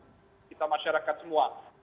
untuk kita masyarakat semua